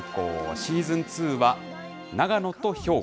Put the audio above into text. シーズン２は長野と兵庫。